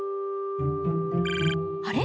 あれ？